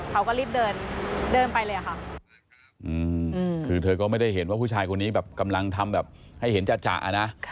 เขาก็รีบเดินเดินไปเลยค่ะคือเธอก็ไม่ได้เห็นว่าผู้ชายคนนี้แบบกำลังทำแบบให้เห็นจ่ะนะ